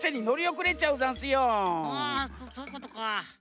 あそういうことか。